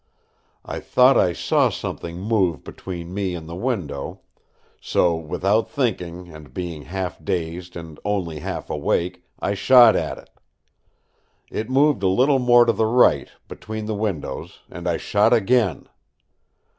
I thought I saw something move between me and the window; so, without thinking, and being half dazed and only half awake, I shot at it. It moved a little more to the right between the windows, and I shot again.